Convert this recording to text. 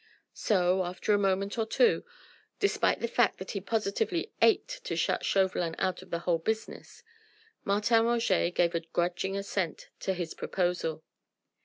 So after a moment or two, despite the fact that he positively ached to shut Chauvelin out of the whole business, Martin Roget gave a grudging assent to his proposal.